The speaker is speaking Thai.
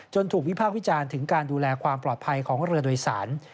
ถูกวิพากษ์วิจารณ์ถึงการดูแลความปลอดภัยของเรือโดยสาร